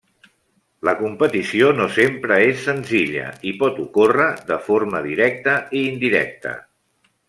La competició no sempre és senzilla i pot ocórrer de forma directa i indirecta.